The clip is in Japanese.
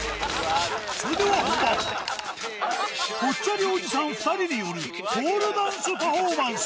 それでは本番ぽっちゃりおじさん２人によるポールダンスパフォーマンス